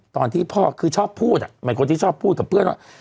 ตอนที่พ่อคือชอบพูดหมายความที่ชอบพูดกับเพื่อน